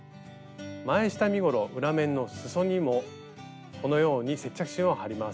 前下身ごろ裏面のすそにもこのように接着芯を貼ります。